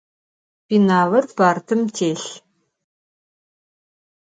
Pênalır partım têlh.